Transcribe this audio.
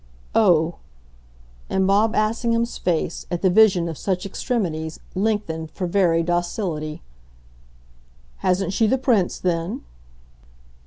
"Oh!" and Bob Assingham's face, at the vision of such extremities, lengthened for very docility. "Hasn't she the Prince then?"